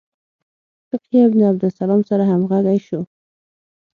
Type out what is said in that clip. فقیه ابن عبدالسلام سره همغږي شو.